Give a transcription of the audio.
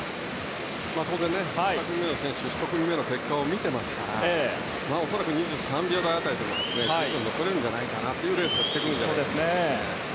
当然、２組目の選手は１組目の結果を見ていますから恐らく２３秒台辺りでくるようなレースをしてくるんじゃないですかね。